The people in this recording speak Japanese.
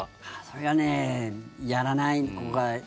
それがねやらないのが。